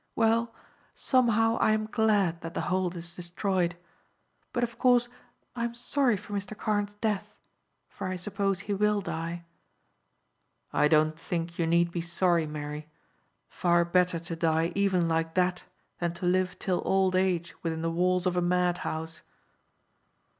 Well, somehow I am glad that The Hold is destroyed; but of course I am sorry for Mr. Carne's death, for I suppose he will die." "I don't think you need be sorry, Mary. Far better to die even like that than to live till old age within the walls of a madhouse."